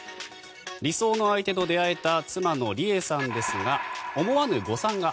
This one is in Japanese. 理想の相手と出会えた妻の理恵さんですが思わぬ誤算が。